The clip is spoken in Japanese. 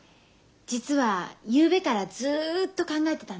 実はゆうべからずっと考えてたんです。